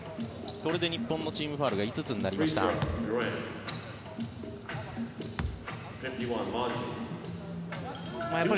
これで日本のチームファウルが５つになってしまいました。